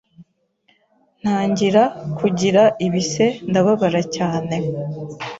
ntangira kugira ibise ndababara cyane